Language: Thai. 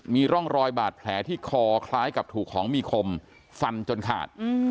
มีร่องรอยบาดแผลที่คอคล้ายกับถูกของมีคมฟันจนขาด